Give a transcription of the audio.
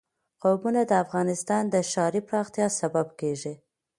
قومونه د افغانستان د ښاري پراختیا سبب کېږي.